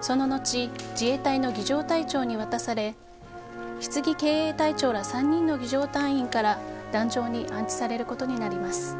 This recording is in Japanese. その後自衛隊の儀仗隊長に渡されひつぎ警衛隊長ら３人の儀仗隊員から壇上に安置されることになります。